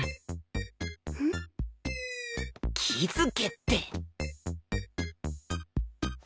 気づけって！